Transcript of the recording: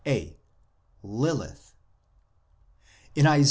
(a) Lilith. In Isa.